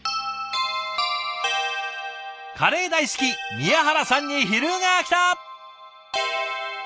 カレー大好き宮原さんに昼がきた！